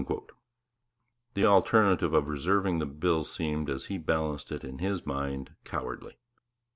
The other alternative of reserving the bill seemed, as he balanced it in his mind, cowardly.